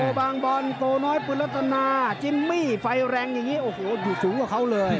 บางบอลโตน้อยปืนรัตนาจิมมี่ไฟแรงอย่างนี้โอ้โหอยู่สูงกว่าเขาเลย